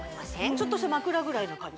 ちょっとした枕ぐらいな感じ